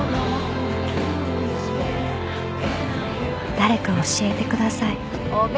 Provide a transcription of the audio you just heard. ［誰か教えてください］